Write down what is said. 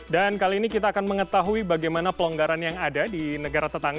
dan kali ini kita akan mengetahui bagaimana pelonggaran yang ada di negara tetangga